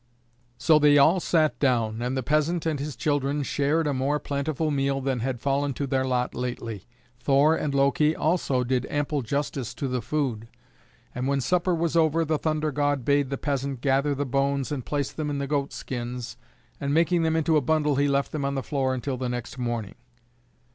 So they all sat down, and the peasant and his children shared a more plentiful meal than had fallen to their lot lately. Thor and Loki also did ample justice to the food, and when supper was over the thunder god bade the peasant gather the bones and place them in the goatskins, and making them into a bundle he left them on the floor until the next morning.